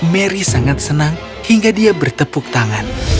mary sangat senang hingga dia bertepuk tangan